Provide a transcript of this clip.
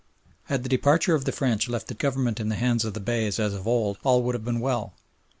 Had the departure of the French left the government in the hands of the Beys as of old all would have been well.